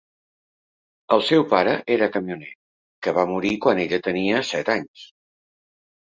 El seu pare era camioner, que va morir quan ella tenia set anys.